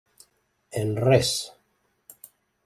En res.